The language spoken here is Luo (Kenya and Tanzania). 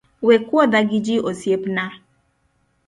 We kuodha gi ji osiepna